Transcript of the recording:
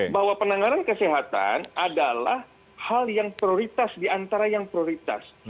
bahwa penanganan kesehatan adalah hal yang prioritas diantara yang prioritas